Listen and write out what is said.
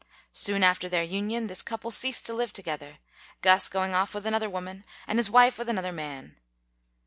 Soon after their union, this couple ceased to live together Guss going off with another woman and his wife with another man.